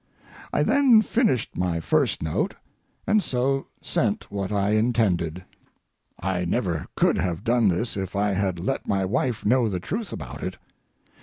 I then—finished my first note—and so sent what I intended. I never could have done this if I had let my wife know the truth about it.